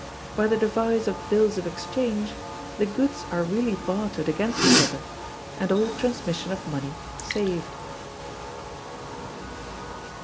By the device of bills of exchange the goods are really bartered against each other, and all transmission of money saved.